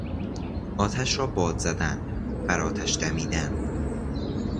آتش را باد زدن، برآتش دمیدن